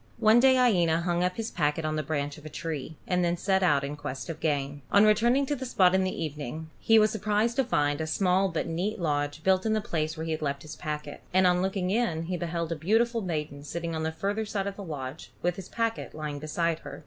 One day Iena hung up his packet on the branch of a tree, and then set out in quest of game. On returning to the spot in the evening, he was surprised to find a small but neat lodge built in the place where he had left his packet; and on looking in he beheld a beautiful maiden sitting on the further side of the lodge, with his packet lying beside her.